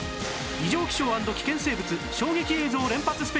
異常気象＆危険生物衝撃映像連発スペシャル